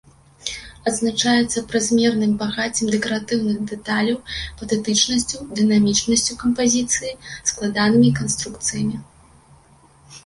Адзначаецца празмерным багаццем дэкаратыўных дэталяў, патэтычнасцю, дынамічнасцю кампазіцыі, складанымі канструкцыямі.